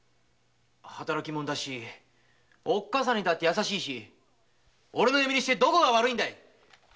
働きもんだしおっかさんにも優しいし俺の嫁にしてどこが悪いんだい！